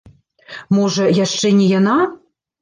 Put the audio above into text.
Можа, яшчэ не яна?